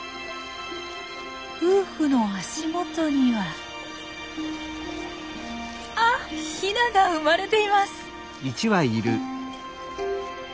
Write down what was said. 夫婦の足元にはあヒナが生まれています！